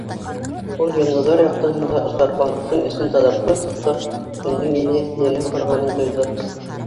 Ул йондоҙҙар яҡтыһында осар балыҡтың эсен таҙартҡан саҡта, төндөң еләҫләнә барғанын тойҙо.